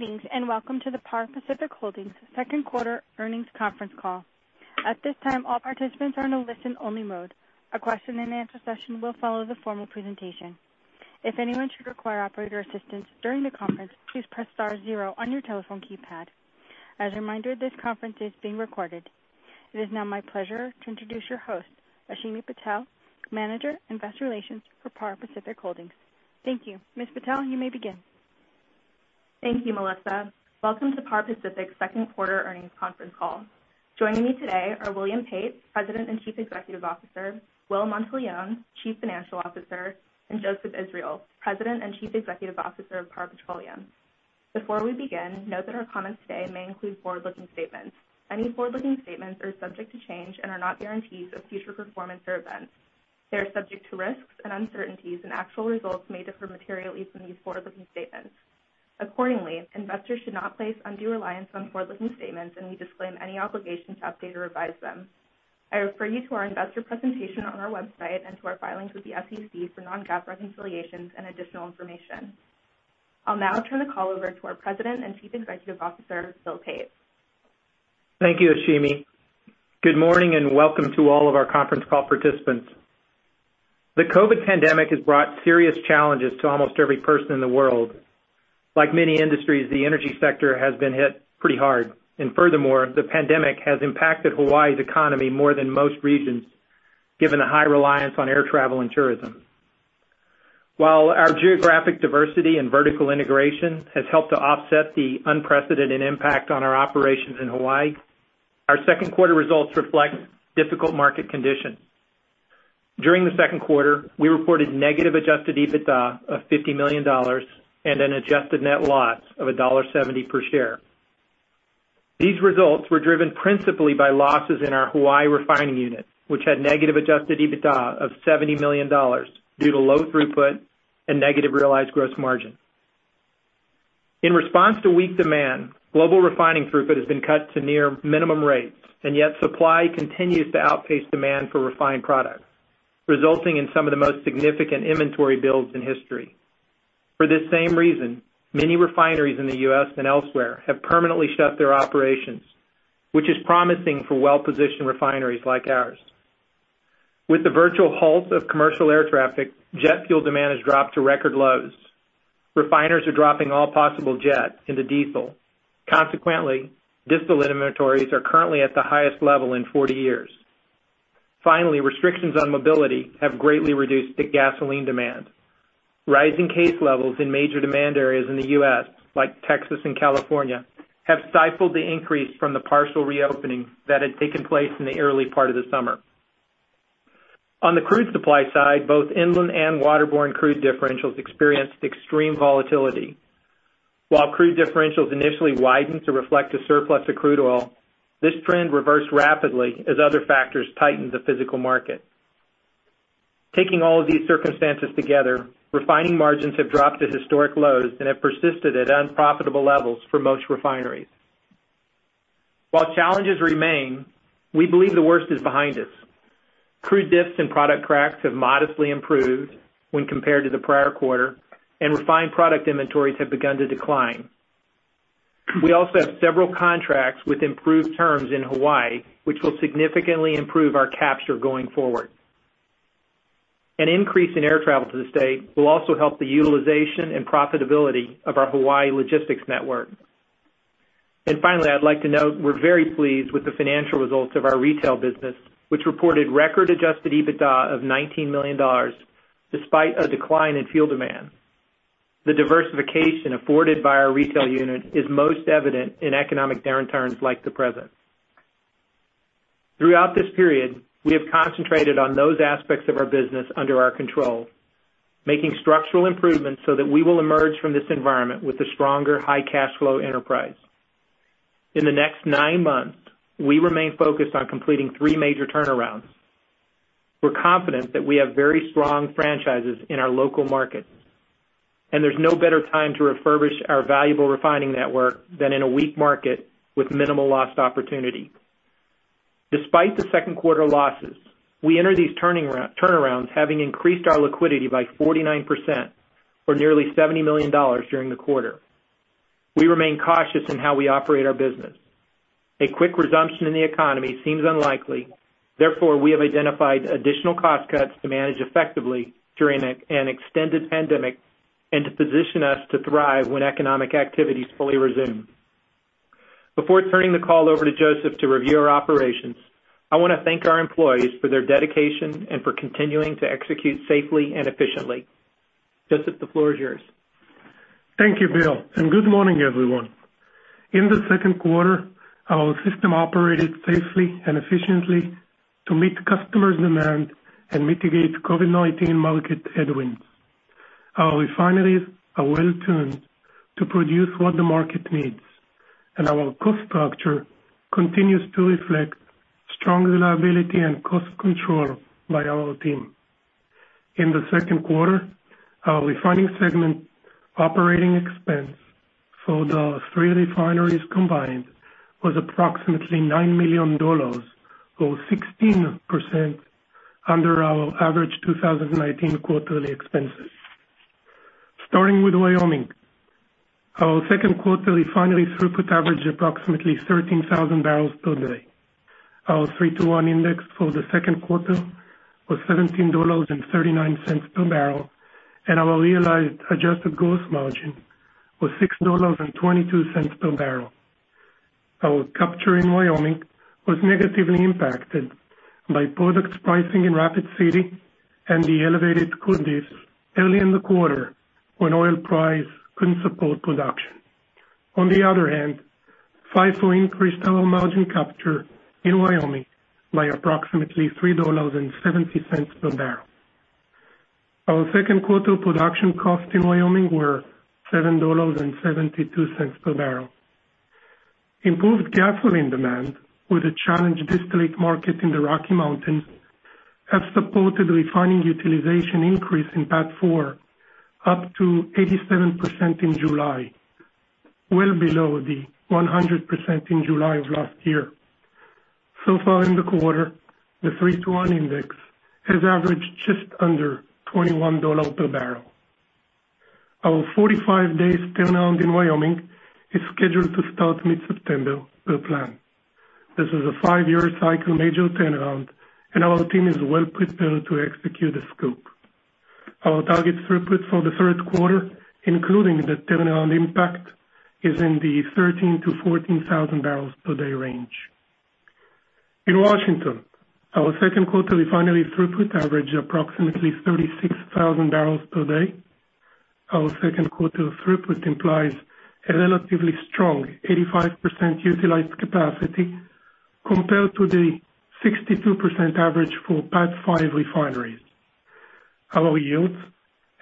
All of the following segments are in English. Greetings and welcome to the Par Pacific Holdings' second quarter earnings conference call. At this time, all participants are in a listen-only mode. A question-and-answer session will follow the formal presentation. If anyone should require operator assistance during the conference, please press star zero on your telephone keypad. As a reminder, this conference is being recorded. It is now my pleasure to introduce your host, Ashimi Patel, Manager of Investor Relations for Par Pacific Holdings. Thank you. Ms. Patel, you may begin. Thank you, Melissa. Welcome to Par Pacific's second quarter earnings conference call. Joining me today are William Pate, President and Chief Executive Officer; Will Monteleone, Chief Financial Officer; and Joseph Israel, President and Chief Executive Officer of Par Petroleum. Before we begin, note that our comments today may include forward-looking statements. Any forward-looking statements are subject to change and are not guarantees of future performance or events. They are subject to risks and uncertainties, and actual results may differ materially from these forward-looking statements. Accordingly, investors should not place undue reliance on forward-looking statements, and we disclaim any obligation to update or revise them. I refer you to our investor presentation on our website and to our filings with the SEC for non-GAAP reconciliations and additional information. I'll now turn the call over to our President and Chief Executive Officer, Bill Pate. Thank you, Ashimi. Good morning and welcome to all of our conference call participants. The COVID pandemic has brought serious challenges to almost every person in the world. Like many industries, the energy sector has been hit pretty hard. Furthermore, the pandemic has impacted Hawaii's economy more than most regions, given the high reliance on air travel and tourism. While our geographic diversity and vertical integration has helped to offset the unprecedented impact on our operations in Hawaii, our second quarter results reflect difficult market conditions. During the second quarter, we reported negative adjusted EBITDA of $50 million and an adjusted net loss of $1.70 per share. These results were driven principally by losses in our Hawaii refining unit, which had negative adjusted EBITDA of $70 million due to low throughput and negative realized gross margin. In response to weak demand, global refining throughput has been cut to near minimum rates, and yet supply continues to outpace demand for refined products, resulting in some of the most significant inventory builds in history. For this same reason, many refineries in the U.S. and elsewhere have permanently shut their operations, which is promising for well-positioned refineries like ours. With the virtual halt of commercial air traffic, jet fuel demand has dropped to record lows. Refiners are dropping all possible jet into diesel. Consequently, diesel inventories are currently at the highest level in 40 years. Finally, restrictions on mobility have greatly reduced gasoline demand. Rising case levels in major demand areas in the U.S., like Texas and California, have stifled the increase from the partial reopening that had taken place in the early part of the summer. On the crude supply side, both inland and waterborne crude differentials experienced extreme volatility. While crude differentials initially widened to reflect a surplus of crude oil, this trend reversed rapidly as other factors tightened the physical market. Taking all of these circumstances together, refining margins have dropped to historic lows and have persisted at unprofitable levels for most refineries. While challenges remain, we believe the worst is behind us. Crude dips and product cracks have modestly improved when compared to the prior quarter, and refined product inventories have begun to decline. We also have several contracts with improved terms in Hawaii, which will significantly improve our capture going forward. An increase in air travel to the state will also help the utilization and profitability of our Hawaii logistics network. Finally, I'd like to note we're very pleased with the financial results of our retail business, which reported record adjusted EBITDA of $19 million despite a decline in fuel demand. The diversification afforded by our retail unit is most evident in economic downturns like the present. Throughout this period, we have concentrated on those aspects of our business under our control, making structural improvements so that we will emerge from this environment with a stronger high cash flow enterprise. In the next nine months, we remain focused on completing three major turnarounds. We're confident that we have very strong franchises in our local markets, and there's no better time to refurbish our valuable refining network than in a weak market with minimal lost opportunity. Despite the second quarter losses, we enter these turnarounds having increased our liquidity by 49%, or nearly $70 million during the quarter. We remain cautious in how we operate our business. A quick resumption in the economy seems unlikely. Therefore, we have identified additional cost cuts to manage effectively during an extended pandemic and to position us to thrive when economic activities fully resume. Before turning the call over to Joseph to review our operations, I want to thank our employees for their dedication and for continuing to execute safely and efficiently. Joseph, the floor is yours. Thank you, Bill. Good morning, everyone. In the second quarter, our system operated safely and efficiently to meet customers' demand and mitigate COVID-19 market headwinds. Our refineries are well-tuned to produce what the market needs, and our cost structure continues to reflect strong reliability and cost control by our team. In the second quarter, our refining segment operating expense for the three refineries combined was approximately $9 million, or 16% under our average 2019 quarterly expenses. Starting with Wyoming, our second quarter refinery throughput averaged approximately 13,000 barrels per day. Our three-to-one index for the second quarter was $17.39 per barrel, and our realized adjusted gross margin was $6.22 per barrel. Our capture in Wyoming was negatively impacted by product pricing in Rapid City and the elevated crude dips early in the quarter when oil price could not support production. On the other hand, FIFO increased our margin capture in Wyoming by approximately $3.70 per barrel. Our second quarter production costs in Wyoming were $7.72 per barrel. Improved gasoline demand, with a challenged distillate market in the Rocky Mountains, has supported refining utilization increase in PAT4 up to 87% in July, well below the 100% in July of last year. So far in the quarter, the three-to-one index has averaged just under $21 per barrel. Our 45-day turnaround in Wyoming is scheduled to start mid-September per plan. This is a five-year cycle major turnaround, and our team is well-prepared to execute the scope. Our target throughput for the third quarter, including the turnaround impact, is in the 13,000 bbl -14,000 bbl per day range. In Washington, our second quarter refinery throughput averaged approximately 36,000 bbl per day. Our second quarter throughput implies a relatively strong 85% utilized capacity compared to the 62% average for PAT5 refineries. Our yields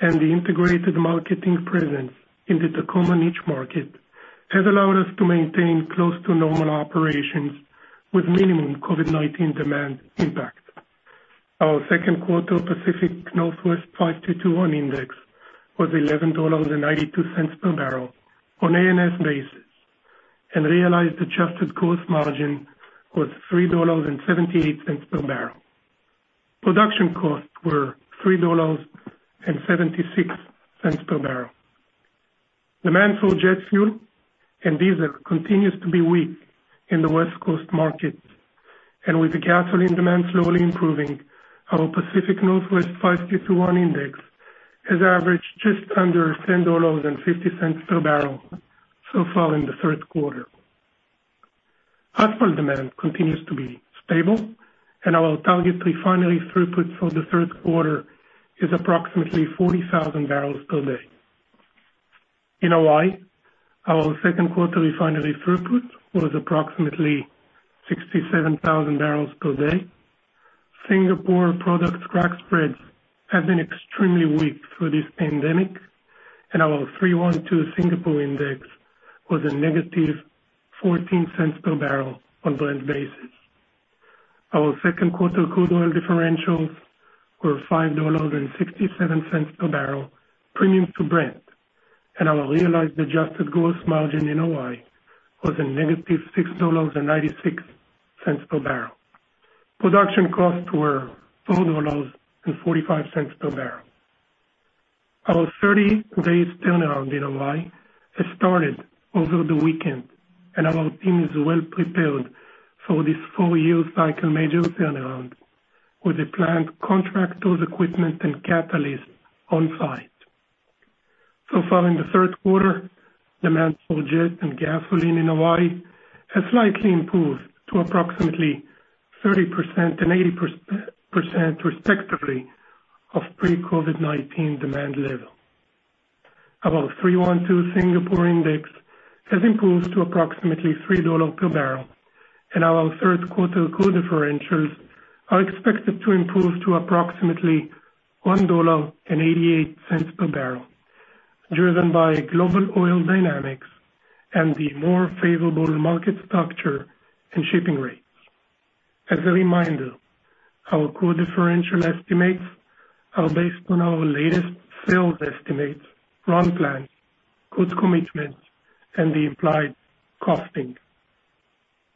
and the integrated marketing presence into the Tacoma niche market have allowed us to maintain close to normal operations with minimum COVID-19 demand impact. Our second quarter Pacific Northwest 5221 index was $11.92 per barrel on ANS basis, and realized adjusted gross margin was $3.78 per barrel. Production costs were $3.76 per barrel. Demand for jet fuel and diesel continues to be weak in the West Coast market, and with the gasoline demand slowly improving, our Pacific Northwest 5221 index has averaged just under $10.50 per barrel so far in the third quarter. Asphalt demand continues to be stable, and our target refinery throughput for the third quarter is approximately 40,000 bbl per day. In Hawaii, our second quarter refinery throughput was approximately 67,000 bbl per day. Singapore product crack spreads have been extremely weak through this pandemic, and our 312 Singapore index was a -$0.14 per barrel on Brent basis. Our second quarter crude oil differentials were $5.67 per barrel premium to Brent, and our realized adjusted gross margin in Hawaii was a -$6.96 per barrel. Production costs were $4.45 per barrel. Our 30-day turnaround in Hawaii has started over the weekend, and our team is well-prepared for this four-year cycle major turnaround with the planned contractors, equipment, and catalysts on site. In the third quarter, demand for jet and gasoline in Hawaii has slightly improved to approximately 30% and 80% respectively of pre-COVID-19 demand level. Our 312 Singapore index has improved to approximately $3 per barrel, and our third quarter crude differentials are expected to improve to approximately $1.88 per barrel, driven by global oil dynamics and the more favorable market structure and shipping rates. As a reminder, our crude differential estimates are based on our latest sales estimates, run plans, goods commitments, and the implied costing.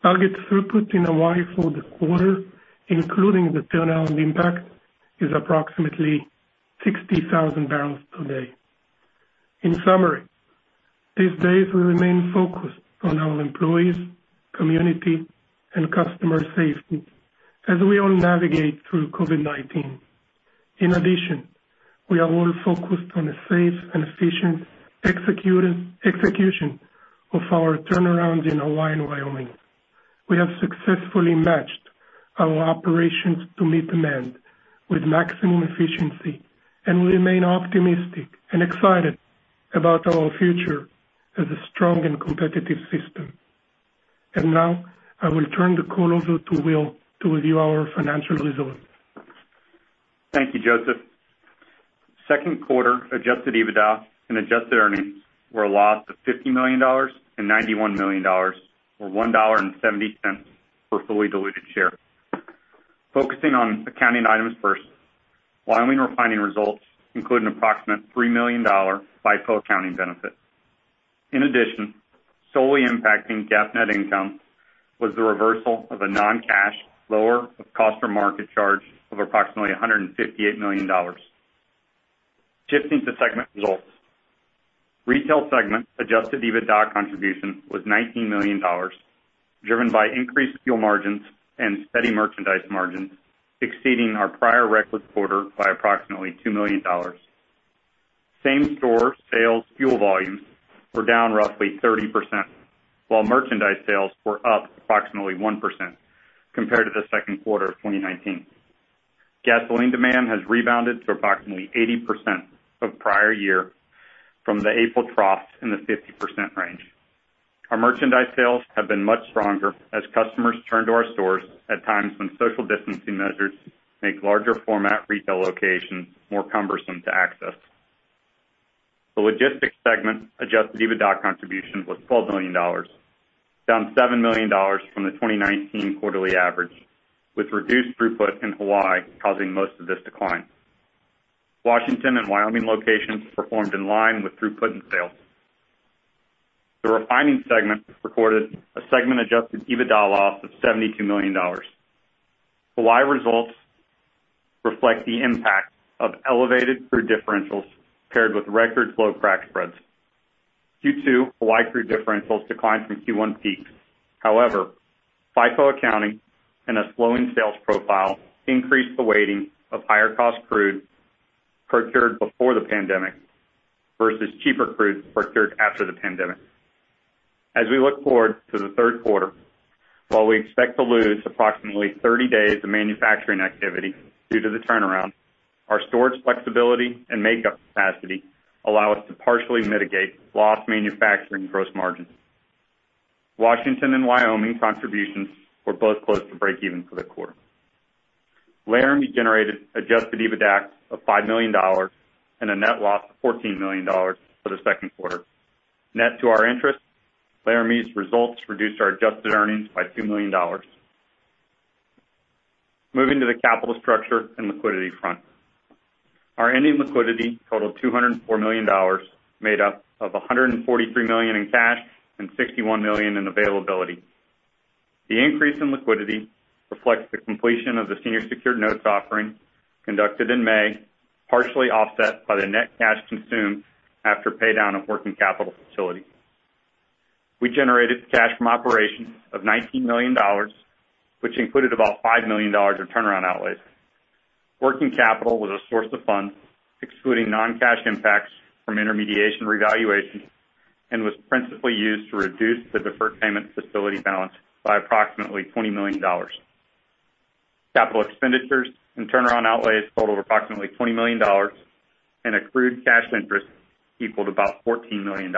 Target throughput in Hawaii for the quarter, including the turnaround impact, is approximately 60,000 bbl per day. In summary, these days we remain focused on our employees, community, and customer safety as we all navigate through COVID-19. In addition, we are all focused on a safe and efficient execution of our turnarounds in Hawaii and Wyoming. We have successfully matched our operations to meet demand with maximum efficiency, and we remain optimistic and excited about our future as a strong and competitive system. I will turn the call over to Will to review our financial results. Thank you, Joseph. Second quarter adjusted EBITDA and adjusted earnings were a loss of $50 million and $91 million, or $1.70 per fully diluted share. Focusing on accounting items first, Wyoming refining results included an approximate $3 million FIFO accounting benefit. In addition, solely impacting GAAP net income was the reversal of a non-cash lower of cost or market charge of approximately $158 million. Shifting to segment results, retail segment adjusted EBITDA contribution was $19 million, driven by increased fuel margins and steady merchandise margins exceeding our prior record quarter by approximately $2 million. Same store sales fuel volumes were down roughly 30%, while merchandise sales were up approximately 1% compared to the second quarter of 2019. Gasoline demand has rebounded to approximately 80% of prior year from the April trough in the 50% range. Our merchandise sales have been much stronger as customers turn to our stores at times when social distancing measures make larger format retail locations more cumbersome to access. The logistics segment adjusted EBITDA contribution was $12 million, down $7 million from the 2019 quarterly average, with reduced throughput in Hawaii causing most of this decline. Washington and Wyoming locations performed in line with throughput and sales. The refining segment recorded a segment-adjusted EBITDA loss of $72 million. Hawaii results reflect the impact of elevated crude differentials paired with record low crack spreads. Q2 Hawaii crude differentials declined from Q1 peaks. However, FIFO accounting and a slowing sales profile increased the weighting of higher-cost crude procured before the pandemic versus cheaper crude procured after the pandemic. As we look forward to the third quarter, while we expect to lose approximately 30 days of manufacturing activity due to the turnaround, our storage flexibility and makeup capacity allow us to partially mitigate lost manufacturing gross margins. Washington and Wyoming contributions were both close to break-even for the quarter. Laramie generated adjusted EBITDA of $5 million and a net loss of $14 million for the second quarter. Net to our interest, Laramie's results reduced our adjusted earnings by $2 million. Moving to the capital structure and liquidity front, our ending liquidity totaled $204 million, made up of $143 million in cash and $61 million in availability. The increase in liquidity reflects the completion of the senior secured notes offering conducted in May, partially offset by the net cash consumed after paydown of working capital facility. We generated cash from operations of $19 million, which included about $5 million in turnaround outlays. Working capital was a source of funds, excluding non-cash impacts from intermediation revaluation, and was principally used to reduce the deferred payment facility balance by approximately $20 million. Capital expenditures and turnaround outlays totaled approximately $20 million, and accrued cash interest equaled about $14 million.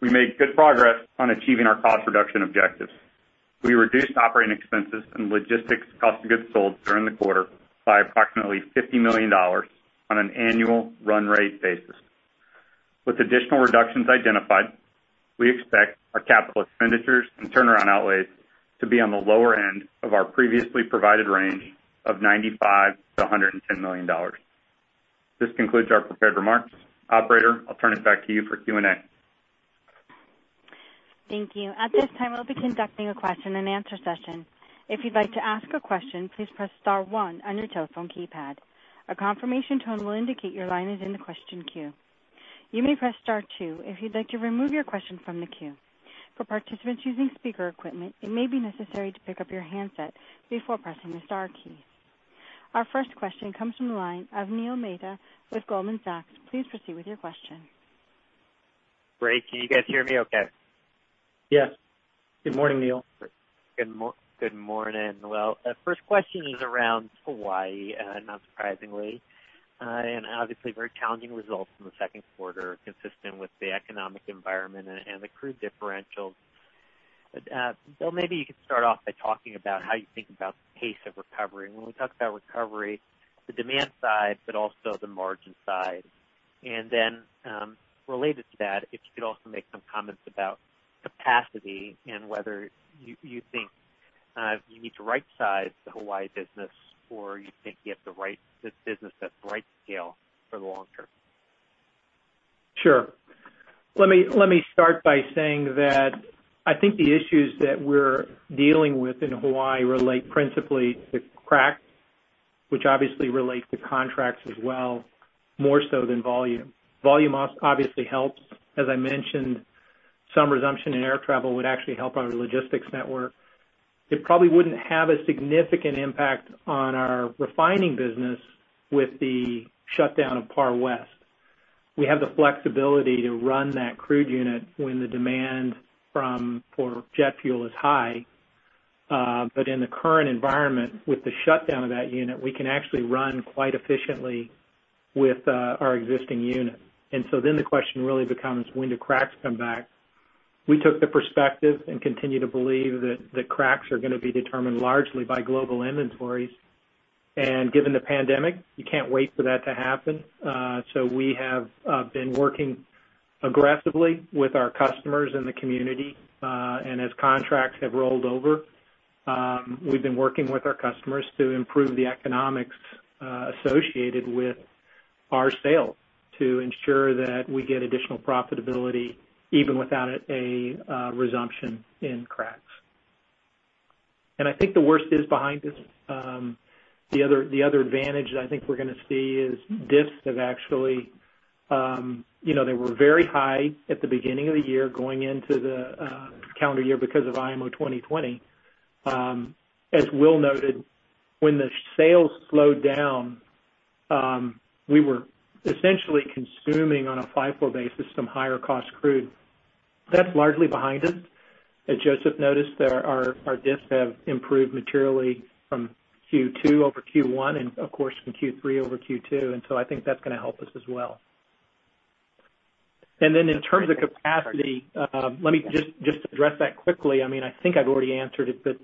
We made good progress on achieving our cost reduction objectives. We reduced operating expenses and logistics cost of goods sold during the quarter by approximately $50 million on an annual run rate basis. With additional reductions identified, we expect our capital expenditures and turnaround outlays to be on the lower end of our previously provided range of $95 million-$110 million. This concludes our prepared remarks. Operator, I'll turn it back to you for Q&A. Thank you. At this time, we'll be conducting a question-and-answer session. If you'd like to ask a question, please press star one on your telephone keypad. A confirmation tone will indicate your line is in the question queue. You may press star two if you'd like to remove your question from the queue. For participants using speaker equipment, it may be necessary to pick up your handset before pressing the star key. Our first question comes from the line of Neil Mehta with Goldman Sachs. Please proceed with your question. Great. Can you guys hear me okay? Yes. Good morning, Neil. Good morning. The first question is around Hawaii, not surprisingly, and obviously very challenging results in the second quarter consistent with the economic environment and the crude differentials. Bill, maybe you could start off by talking about how you think about the pace of recovery. When we talk about recovery, the demand side, but also the margin side. Related to that, if you could also make some comments about capacity and whether you think you need to right-size the Hawaii business or you think you have to right the business at the right scale for the long term. Sure. Let me start by saying that I think the issues that we're dealing with in Hawaii relate principally to crack, which obviously relates to contracts as well, more so than volume. Volume obviously helps. As I mentioned, some resumption in air travel would actually help our logistics network. It probably wouldn't have a significant impact on our refining business with the shutdown of Par West. We have the flexibility to run that crude unit when the demand for jet fuel is high, but in the current environment, with the shutdown of that unit, we can actually run quite efficiently with our existing unit. The question really becomes, when do cracks come back? We took the perspective and continue to believe that cracks are going to be determined largely by global inventories. Given the pandemic, you can't wait for that to happen. We have been working aggressively with our customers and the community. As contracts have rolled over, we have been working with our customers to improve the economics associated with our sales to ensure that we get additional profitability even without a resumption in cracks. I think the worst is behind us. The other advantage I think we are going to see is diffs have actually—they were very high at the beginning of the year going into the calendar year because of IMO 2020. As Will noted, when the sales slowed down, we were essentially consuming on a FIFO basis some higher-cost crude. That is largely behind us. As Joseph noticed, our diffs have improved materially from Q2 over Q1 and, of course, from Q3 over Q2. I think that is going to help us as well. In terms of capacity, let me just address that quickly. I mean, I think I've already answered it, but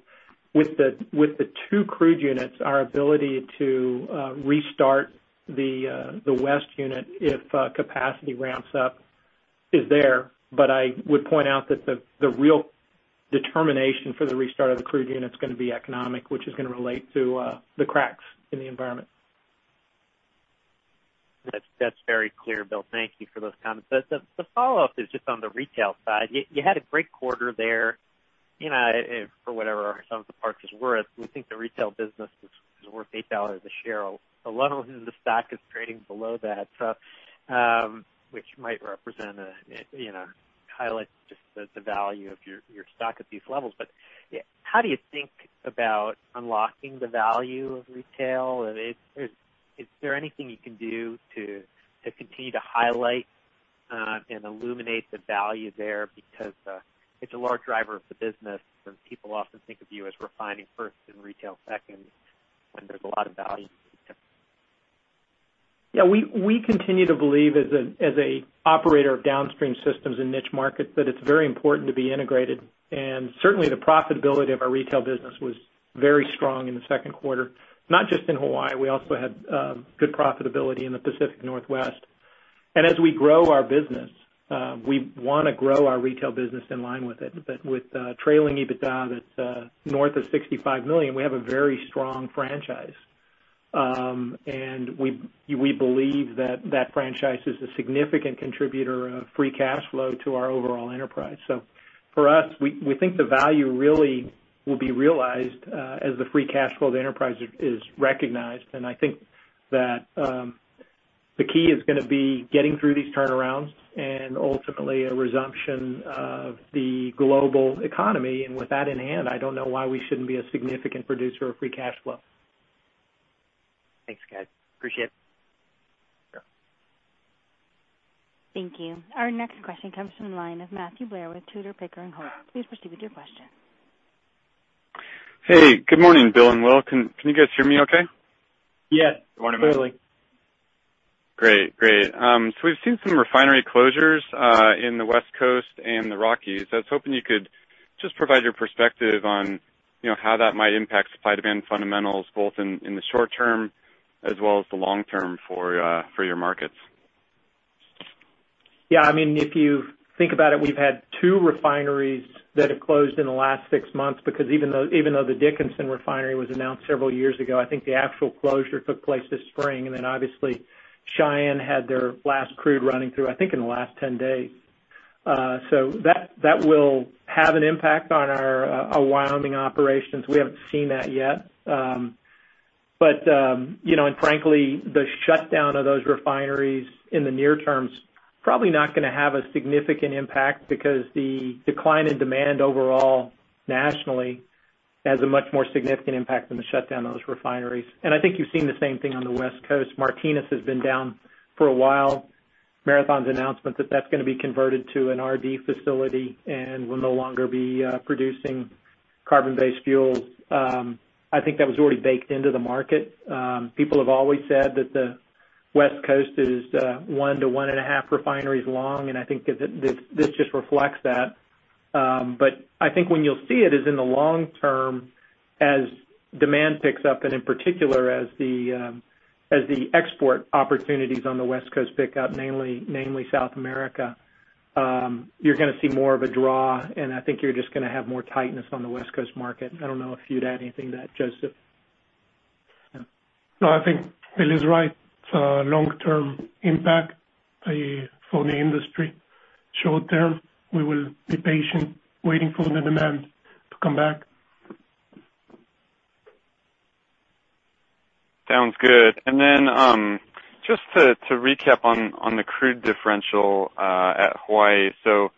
with the two crude units, our ability to restart the West unit if capacity ramps up is there. I would point out that the real determination for the restart of the crude unit is going to be economic, which is going to relate to the cracks in the environment. That's very clear, Bill. Thank you for those comments. The follow-up is just on the retail side. You had a great quarter there. For whatever some of the parts are worth, we think the retail business is worth $8 a share. A lot of the stock is trading below that, which might represent a highlight just the value of your stock at these levels. How do you think about unlocking the value of retail? Is there anything you can do to continue to highlight and illuminate the value there because it's a large driver of the business and people often think of you as refining first and retail second when there's a lot of value? Yeah. We continue to believe as an operator of downstream systems in niche markets that it's very important to be integrated. Certainly, the profitability of our retail business was very strong in the second quarter, not just in Hawaii. We also had good profitability in the Pacific Northwest. As we grow our business, we want to grow our retail business in line with it. With trailing EBITDA that's north of $65 million, we have a very strong franchise. We believe that that franchise is a significant contributor of free cash flow to our overall enterprise. For us, we think the value really will be realized as the free cash flow of the enterprise is recognized. I think that the key is going to be getting through these turnarounds and ultimately a resumption of the global economy. With that in hand, I don't know why we shouldn't be a significant producer of free cash flow. Thanks, guys. Appreciate it. Thank you. Our next question comes from the line of Matthew Blair with Tudor, Pickering, and Holt. Please proceed with your question. Hey. Good morning, Bill and Will. Can you guys hear me okay? Yes. Good morning, clearly. Great. Great. We've seen some refinery closures in the West Coast and the Rockies. I was hoping you could just provide your perspective on how that might impact supply-demand fundamentals both in the short term as well as the long term for your markets. Yeah. I mean, if you think about it, we've had two refineries that have closed in the last six months because even though the Dickinson refinery was announced several years ago, I think the actual closure took place this spring. Obviously, Cheyenne had their last crude running through, I think, in the last 10 days. That will have an impact on our Wyoming operations. We haven't seen that yet. Frankly, the shutdown of those refineries in the near term is probably not going to have a significant impact because the decline in demand overall nationally has a much more significant impact than the shutdown of those refineries. I think you've seen the same thing on the West Coast. Martinez has been down for a while. Marathon's announcement that that's going to be converted to an R&D facility and will no longer be producing carbon-based fuels. I think that was already baked into the market. People have always said that the West Coast is one to one and a half refineries long. I think this just reflects that. I think when you'll see it is in the long term as demand picks up and in particular as the export opportunities on the West Coast pick up, namely South America, you're going to see more of a draw. I think you're just going to have more tightness on the West Coast market. I don't know if you'd add anything to that, Joseph. No, I think Bill is right. Long-term impact for the industry. Short term, we will be patient waiting for the demand to come back. Sounds good. Just to recap on the crude differential at Hawaii, so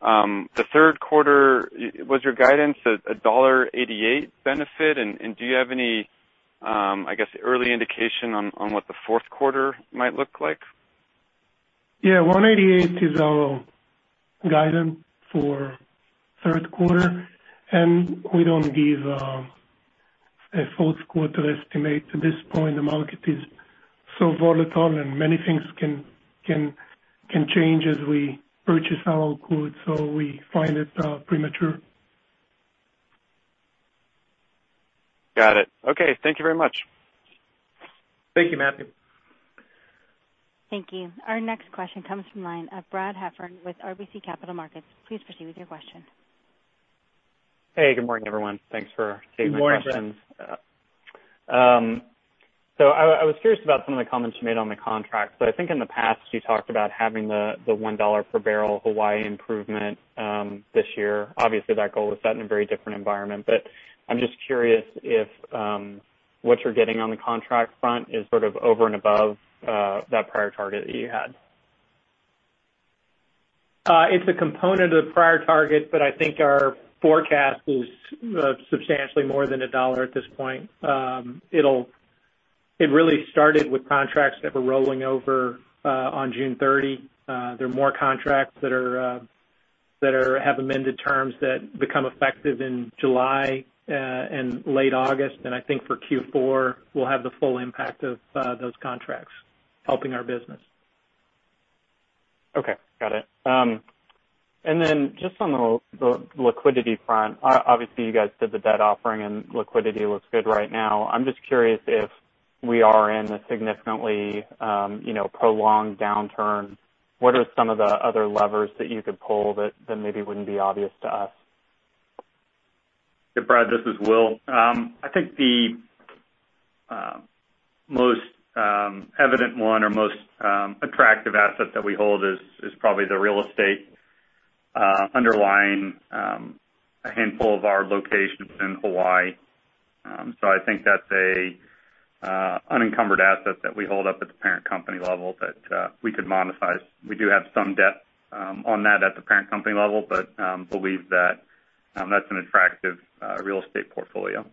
the third quarter, was your guidance a $1.88 benefit? Do you have any, I guess, early indication on what the fourth quarter might look like? Yeah. $1.88 is our guidance for the third quarter. We do not give a fourth quarter estimate at this point. The market is so volatile and many things can change as we purchase our crude. We find it premature. Got it. Okay. Thank you very much. Thank you, Matthew. Thank you. Our next question comes from the line of Brad Heffern with RBC Capital Markets. Please proceed with your question. Hey. Good morning, everyone. Thanks for taking the questions. Good morning. I was curious about some of the comments you made on the contract. I think in the past, you talked about having the $1 per barrel Hawaii improvement this year. Obviously, that goal was set in a very different environment. I'm just curious if what you're getting on the contract front is sort of over and above that prior target that you had. It's a component of the prior target, but I think our forecast is substantially more than $1 at this point. It really started with contracts that were rolling over on June 30th. There are more contracts that have amended terms that become effective in July and late August. I think for Q4, we'll have the full impact of those contracts helping our business. Okay. Got it. Just on the liquidity front, obviously, you guys did the debt offering and liquidity looks good right now. I'm just curious if we are in a significantly prolonged downturn. What are some of the other levers that you could pull that maybe wouldn't be obvious to us? Hey, Brad. This is Will. I think the most evident one or most attractive asset that we hold is probably the real estate underlying a handful of our locations in Hawaii. I think that's an unencumbered asset that we hold up at the parent company level that we could monetize. We do have some debt on that at the parent company level, but believe that that's an attractive real estate portfolio.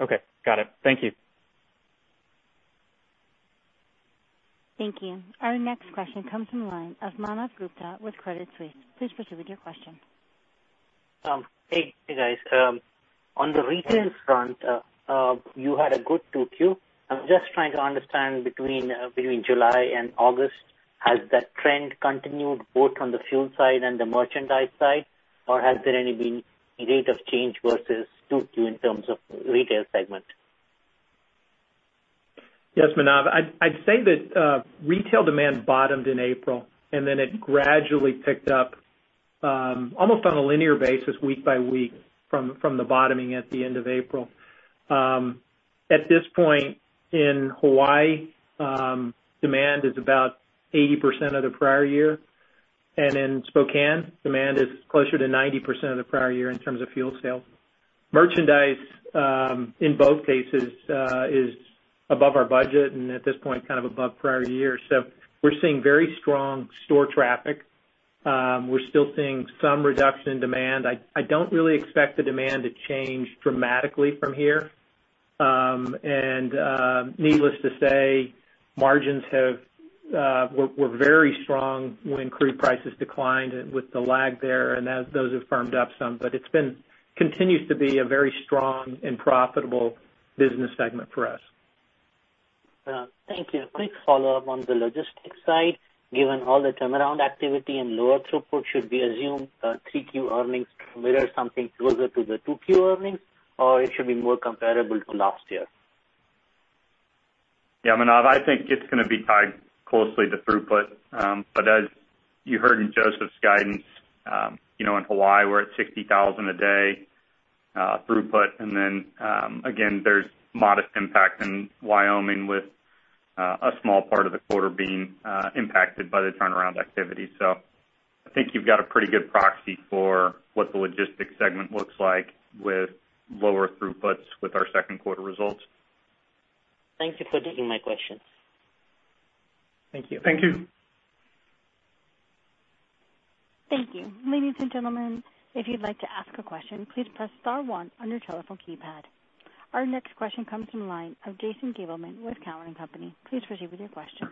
Okay. Got it. Thank you. Thank you. Our next question comes from the line of Manav Gupta with Credit Suisse. Please proceed with your question. Hey, guys. On the retail front, you had a good 2Q. I'm just trying to understand between July and August, has that trend continued both on the fuel side and the merchandise side, or has there been any rate of change versus 2Q in terms of retail segment? Yes, Manav. I'd say that retail demand bottomed in April, and then it gradually picked up almost on a linear basis week by week from the bottoming at the end of April. At this point in Hawaii, demand is about 80% of the prior year. In Spokane, demand is closer to 90% of the prior year in terms of fuel sales. Merchandise in both cases is above our budget and at this point kind of above prior year. We are seeing very strong store traffic. We are still seeing some reduction in demand. I do not really expect the demand to change dramatically from here. Needless to say, margins were very strong when crude prices declined with the lag there, and those have firmed up some. It continues to be a very strong and profitable business segment for us. Thank you. Quick follow-up on the logistics side. Given all the turnaround activity and lower throughput, should we assume 3Q earnings mirror something closer to the 2Q earnings, or it should be more comparable to last year? Yeah, Manav. I think it's going to be tied closely to throughput. But as you heard in Joseph's guidance, in Hawaii, we're at 60,000 bbl a day throughput. And then again, there's modest impact in Wyoming with a small part of the quarter being impacted by the turnaround activity. So I think you've got a pretty good proxy for what the logistics segment looks like with lower throughputs with our second quarter results. Thank you for taking my question. Thank you. Thank you. Thank you. Ladies and gentlemen, if you'd like to ask a question, please press star one on your telephone keypad. Our next question comes from the line of Jason Gabelman with Cowen and Company. Please proceed with your question.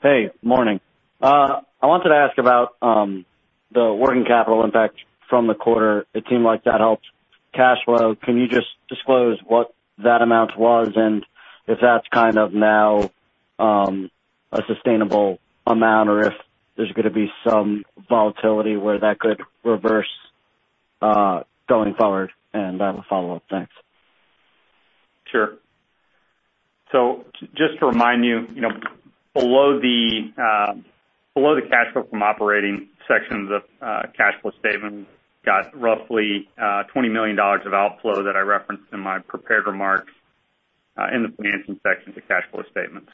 Hey. Morning. I wanted to ask about the working capital impact from the quarter. It seemed like that helped cash flow. Can you just disclose what that amount was and if that's kind of now a sustainable amount or if there's going to be some volatility where that could reverse going forward? I will follow up. Thanks. Sure. Just to remind you, below the cash flow from operating section of the cash flow statement, we've got roughly $20 million of outflow that I referenced in my prepared remarks in the financing section of the cash flow statement.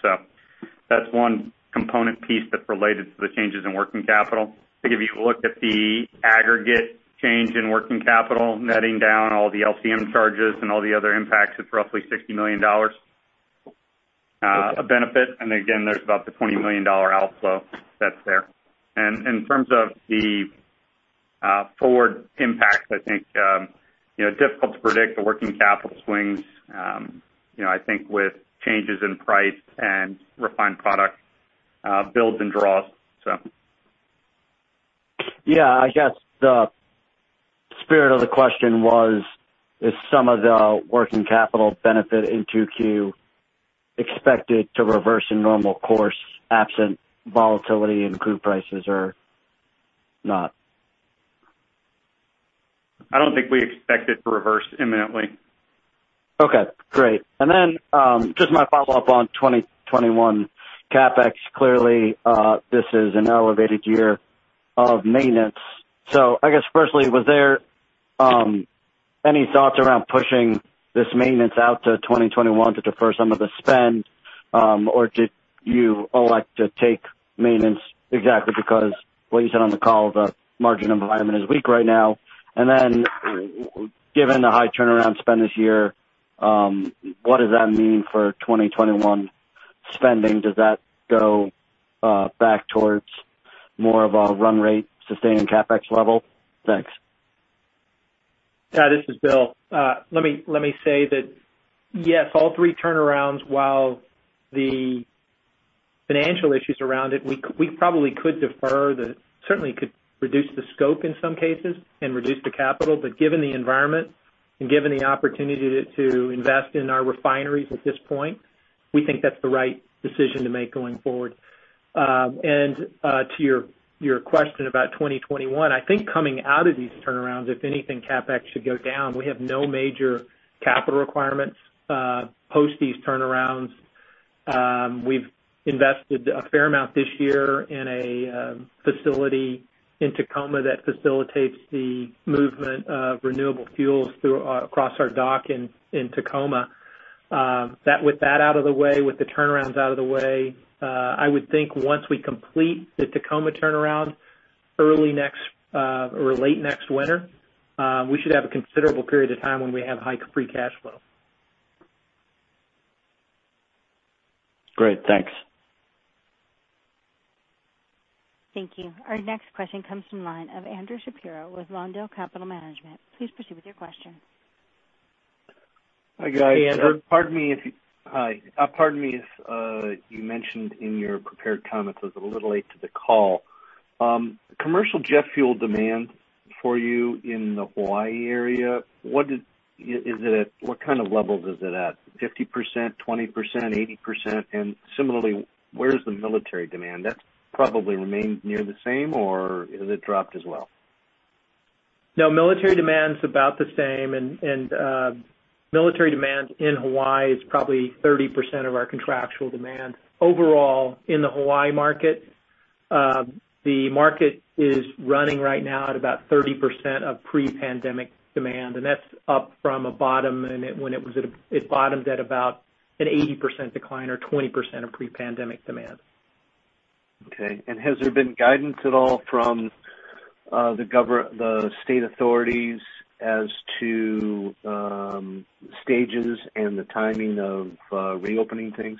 That's one component piece that's related to the changes in working capital. To give you a look at the aggregate change in working capital, netting down all the LCM charges and all the other impacts, it's roughly $60 million of benefit. Again, there's about the $20 million outflow that's there. In terms of the forward impacts, I think difficult to predict the working capital swings, I think with changes in price and refined product builds and draws. Yeah. I guess the spirit of the question was, is some of the working capital benefit in 2Q expected to reverse in normal course absent volatility in crude prices or not? I don't think we expect it to reverse imminently. Okay. Great. Just my follow-up on 2021 CapEx, clearly this is an elevated year of maintenance. I guess firstly, was there any thoughts around pushing this maintenance out to 2021 to defer some of the spend, or did you elect to take maintenance exactly because what you said on the call, the margin environment is weak right now? Given the high turnaround spend this year, what does that mean for 2021 spending? Does that go back towards more of a run rate sustaining CapEx level? Thanks. Yeah. This is Bill. Let me say that yes, all three turnarounds, while the financial issues around it, we probably could defer, certainly could reduce the scope in some cases and reduce the capital. Given the environment and given the opportunity to invest in our refineries at this point, we think that's the right decision to make going forward. To your question about 2021, I think coming out of these turnarounds, if anything, CapEx should go down. We have no major capital requirements post these turnarounds. We've invested a fair amount this year in a facility in Tacoma that facilitates the movement of renewable fuels across our dock in Tacoma. With that out of the way, with the turnarounds out of the way, I would think once we complete the Tacoma turnaround early next or late next winter, we should have a considerable period of time when we have high free cash flow. Great. Thanks. Thank you. Our next question comes from the line of Andrew Shapiro with Lawndale Capital Management. Please proceed with your question. Hi, guys. Pardon me if you mentioned in your prepared comments, I was a little late to the call. Commercial jet fuel demand for you in the Hawaii area, what kind of levels is it at? 50%, 20%, 80%? And similarly, where is the military demand? That's probably remained near the same, or has it dropped as well? No, military demand's about the same. Military demand in Hawaii is probably 30% of our contractual demand. Overall, in the Hawaii market, the market is running right now at about 30% of pre-pandemic demand. That's up from a bottom when it bottomed at about an 80% decline or 20% of pre-pandemic demand. Okay. Has there been guidance at all from the state authorities as to stages and the timing of reopening things?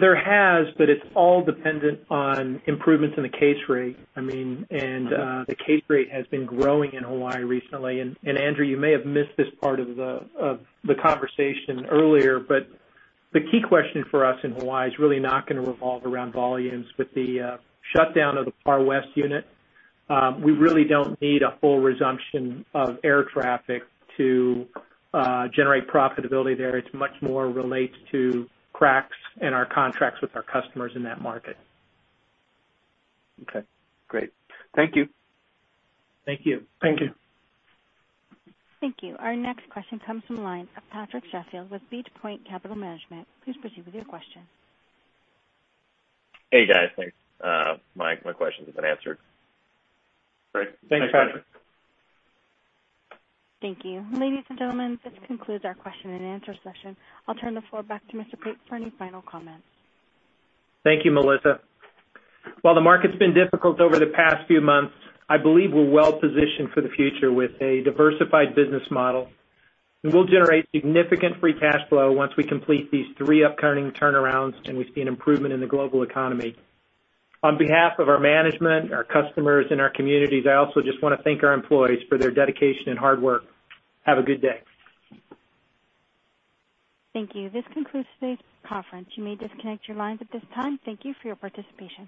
There has, but it's all dependent on improvements in the case rate. I mean, the case rate has been growing in Hawaii recently. Andrew, you may have missed this part of the conversation earlier, but the key question for us in Hawaii is really not going to revolve around volumes with the shutdown of the Par West unit. We really don't need a full resumption of air traffic to generate profitability there. It much more relates to cracks in our contracts with our customers in that market. Okay. Great. Thank you. Thank you. Thank you. Thank you. Our next question comes from the line of Patrick Sheffield with Beach Point Capital Management. Please proceed with your question. Hey, guys. Thanks. My questions have been answered. Great. Thanks, Patrick. Thank you. Ladies and gentlemen, this concludes our question and answer session. I'll turn the floor back to Mr. Pate for any final comments. Thank you, Melissa. While the market's been difficult over the past few months, I believe we're well positioned for the future with a diversified business model. We will generate significant free cash flow once we complete these three upcoming turnarounds, and we see an improvement in the global economy. On behalf of our management, our customers, and our communities, I also just want to thank our employees for their dedication and hard work. Have a good day. Thank you. This concludes today's conference. You may disconnect your lines at this time. Thank you for your participation.